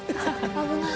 危ない。